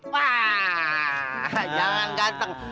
pak jangan ganteng